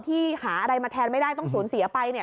ที่หาอะไรมาแทนไม่ได้ต้องสูญเสียไปเนี่ย